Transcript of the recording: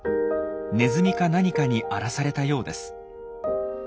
ネズミか何かに荒らされたようです。